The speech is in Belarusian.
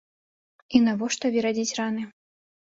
І навошта верадзіць раны?